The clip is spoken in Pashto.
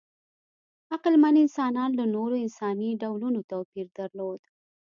عقلمن انسانان له نورو انساني ډولونو توپیر درلود.